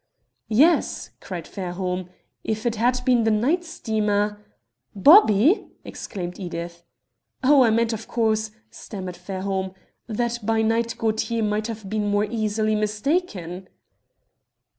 "Yes," cried Fairholme, "if it had been the night steamer " "Bobby!" exclaimed Edith. "Oh, I meant, of course," stammered Fairholme, "that by night Gaultier might have been more easily mistaken."